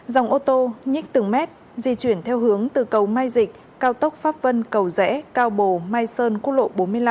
dòng ô tô nhích từng mét di chuyển theo hướng từ cầu mai dịch cao tốc pháp vân cầu rẽ cao bồ mai sơn quốc lộ bốn mươi năm